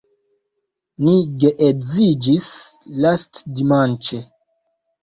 Ni geedziĝis lastdimanĉe.